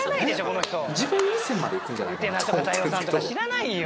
ウテナとか太陽さんとか知らないよ。